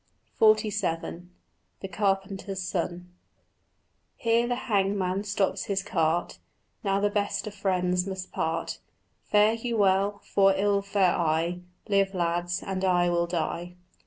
XLVII THE CARPENTER'S SON "Here the hangman stops his cart: Now the best of friends must part. Fare you well, for ill fare I: Live, lads, and I will die."